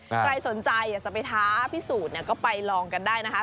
ใครสนใจอยากจะไปท้าพิสูจน์เนี่ยก็ไปลองกันได้นะคะ